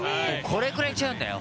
これくらい違うんだよ